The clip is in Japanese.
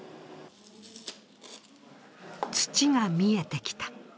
土が見えてきた。